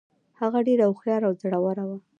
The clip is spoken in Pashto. هغه ډیره هوښیاره او زړوره وه.